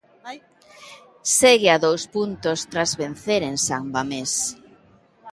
Segue a dous puntos tras vencer en San Mamés.